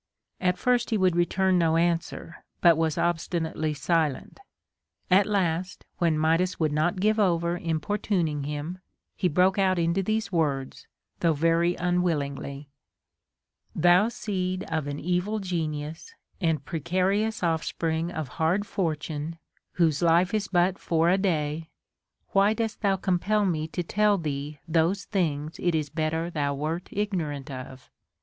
At first he would return no answer, but was obstinately silent. At last, when Midas would not give over importuning him, he broke out into these words, though very unwillingly :' Thou seed of an evil genius and precarious ofi"spring of hard fortune, whose life is but for a day, Avhy dost thou compel me to tell thee those things it is better thou wert ignorant of